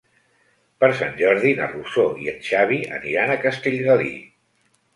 Per Sant Jordi na Rosó i en Xavi aniran a Castellgalí.